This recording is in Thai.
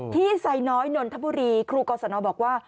ที่ใส่น้อยนนทบุรีครูก่อสนองบอกว่า